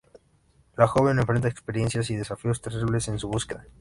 La joven enfrenta experiencias y desafíos terribles en su búsqueda.